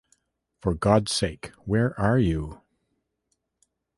For God's sake, where are you?